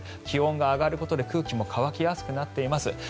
気温が上がることで空気も乾きやすくなっています。